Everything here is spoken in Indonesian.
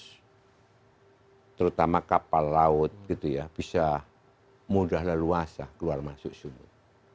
kita bisa menjaga kapal laut gitu ya bisa mudah dan luas keluar masuk sumut